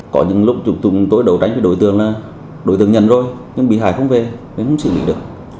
có những lúc chúng tôi đấu tranh với đối tượng là đối tượng nhận rồi nhưng bị hại không về nên không xử lý được